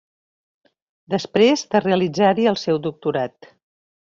Després de realitzar-hi el seu doctorat.